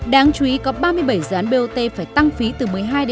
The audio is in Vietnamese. đáng chú ý có ba mươi bảy dự án bot phải tăng phí từ một mươi hai một mươi